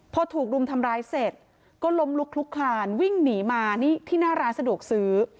พอถูกรุมทำร้ายเสร็จก็ล้มลุกลุกคลานวิ่งหนีมานี่ที่หน้าร้านสะดวกซื้อ